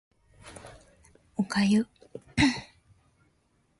お粥